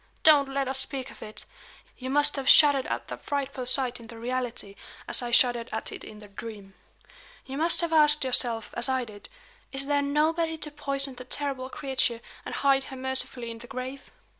Don't let us speak of it! You must have shuddered at that frightful sight in the reality, as I shuddered at it in the dream. You must have asked yourself, as I did: 'Is there nobody to poison the terrible creature, and hide her mercifully in the grave?'"